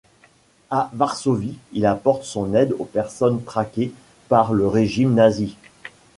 À Varsovie, il apporte son aide aux personnes traquées par le régime nazi.